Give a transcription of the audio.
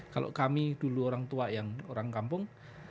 kalau kami dulu orang tua yang orang kampung